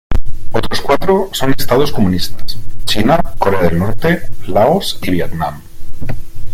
Otros cuatro son estados comunistas: China, Corea del Norte, Laos y Vietnam.